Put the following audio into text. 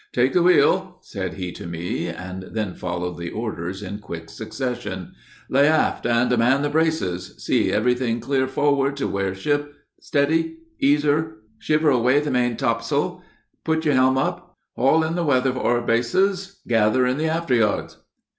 "Take the wheel," said he to me; and then followed the orders, in quick succession: "Lay aft, and man the braces see every thing clear forward, to wear ship steady ease her shiver away the main topsail put your helm up haul in the weather fore braces, gather in the after yards."